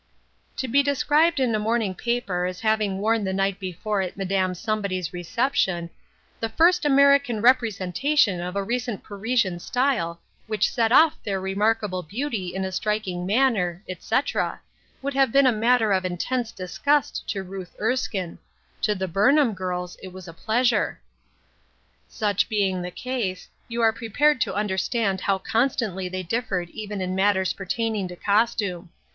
To be described in a morning paper as having worn the night before at Madame Somebody's reception " the first American representation of a recent Parisian style, which set off their remark able beauty in a striking manner," etc., would have been a matter of intense disgust to Ruth Erskine ; to the Burnham girls it was a pleasure. Such being the case, you are prepared to under stand how constantly they differed even in matters pertaining to costume.